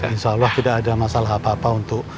insyaallah tidak ada masalah apa apa untuk